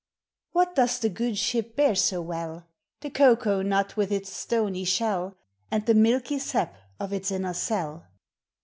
What does the good ship bear bo well? The cocoa nul with its stony shell, And the milky sap of its inner cell.